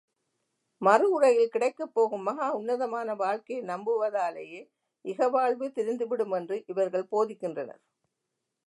மறு உலகில் கிடைக்கப் போகும் மகா உன்னதமான வாழ்க்கையை நம்புவதாலேயே இகவாழ்வு திருந்திவிடும் என்று இவர்கள் போதிக்கின்றனர்.